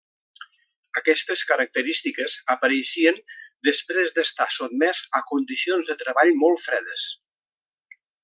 Aquestes característiques apareixien després d'estar sotmès a condicions de treballs molt fredes.